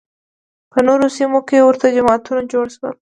په نورو سیمو کې ورته جماعتونه جوړ شول